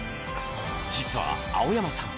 実は青山さん